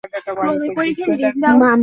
সিটকা, সিটকা!